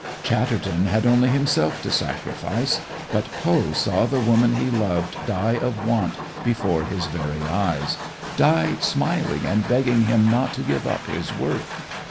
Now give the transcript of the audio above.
Chatterton had only himself to sacrifice, but Poe saw the woman he loved die of want before his very eyes, die smiling and begging him not to give up his work.